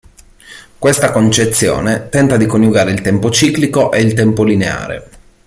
Questa concezione tenta di coniugare il tempo ciclico e il tempo lineare.